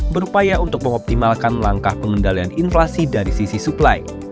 berupaya untuk mengoptimalkan langkah pengendalian inflasi dari sisi suplai